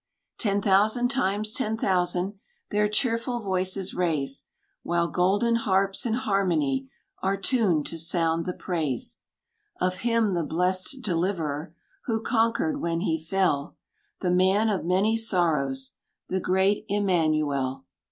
Ten thousand times ten thousand, Their cheerful voices raise, While golden harps in harmony Are tuned to sound the praise Of Him the blest deliverer, Who conquered when he fell; The man of many sorrows, The Great Immanuel.